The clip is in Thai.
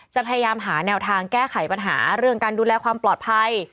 พยายามหาแนวทางแก้ไขปัญหาเรื่องการดูแลความปลอดภัย